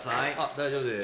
大丈夫です。